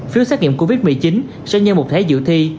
phiếu xét nghiệm covid một mươi chín sẽ nhân một thế giữ thi